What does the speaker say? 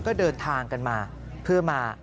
ก็เดินทางกันมาเพื่อมา